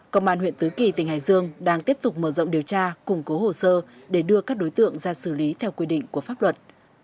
công an huyện tứ kỳ tỉnh hải dương đang tiếp tục mở rộng điều tra củng cố hồ sơ để đưa các đối tượng ra xử lý theo quy định của pháp luật